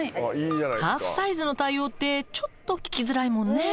ハーフサイズの対応ってちょっと聞きづらいもんね。